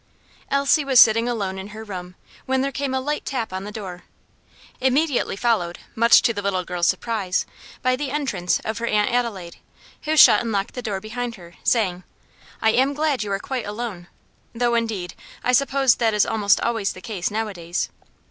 Elsie was sitting alone in her room when there came a light tap on the door, immediately followed, much to the little girl's surprise, by the entrance of her Aunt Adelaide, who shut and locked the door behind her, saying, "I am glad you are quite alone; though, indeed, I suppose that is almost always the case now a days.